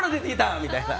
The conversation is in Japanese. みたいな。